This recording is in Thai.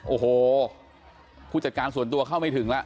โอ้โหผู้จัดการส่วนตัวเข้าไม่ถึงแล้ว